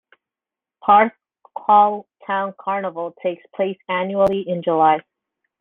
Porthcawl Town Carnival takes place annually in July.